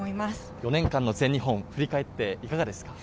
４年間の全日本を振り返っていかがですか？